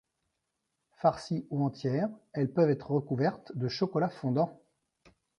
Farcies ou entières, elles peuvent être recouvertes de chocolat fondant.